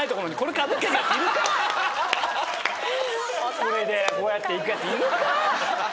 これでこうやって行くやついるか？